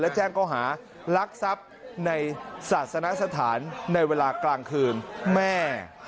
และแจ้งเขาหารักทรัพย์ในศาสนสถานในเวลากลางคืนแม่